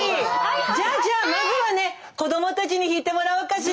じゃあじゃあまずはね子どもたちに引いてもらおうかしら。